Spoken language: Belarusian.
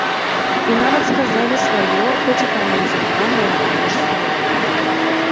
І нават сказалі сваё хоць і фармалізаванае, але ж слова.